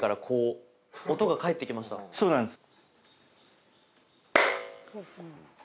そうなんです。